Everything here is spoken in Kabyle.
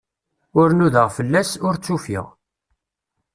Ur nudaɣ fell-as, ur tt-ufiɣ.